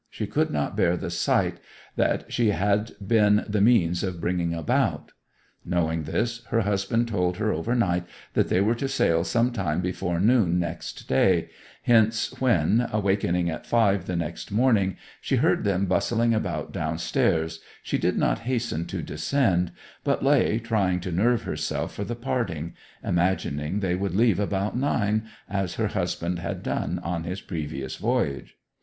She could not bear the sight that she had been the means of bringing about. Knowing this, her husband told her overnight that they were to sail some time before noon next day hence when, awakening at five the next morning, she heard them bustling about downstairs, she did not hasten to descend, but lay trying to nerve herself for the parting, imagining they would leave about nine, as her husband had done on his previous voyage.